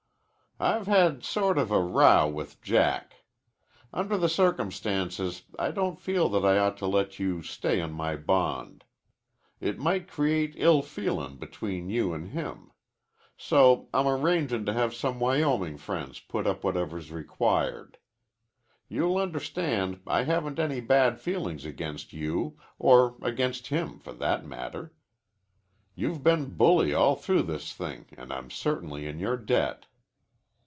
"I've had a sort of row with Jack. Under the circumstances I don't feel that I ought to let you stay on my bond. It might create ill feelin' between you an' him. So I'm arrangin' to have some Wyoming friends put up whatever's required. You'll understand I haven't any bad feeling against you, or against him for that matter. You've been bully all through this thing, an' I'm certainly in your debt."